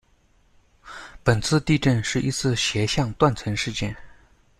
本次地震是一次斜向断层事件。